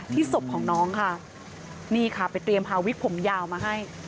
ศพของน้องค่ะนี่ค่ะไปเตรียมพาวิกผมยาวมาให้